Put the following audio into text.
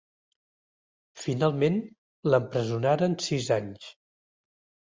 Finalment l'empresonaren sis anys.